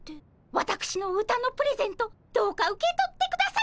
わたくしの歌のプレゼントどうか受け取ってくださいませ。